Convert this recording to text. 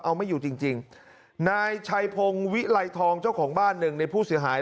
เอาไม่อยู่จริงจริงนายชัยพงศ์วิไลทองเจ้าของบ้านหนึ่งในผู้เสียหาย